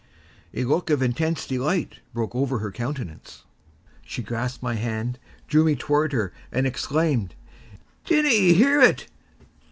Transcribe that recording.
A look of intense delight broke over her countenance. She grasped my hand, drew me toward her, and exclaimed: "Dinna ye hear it?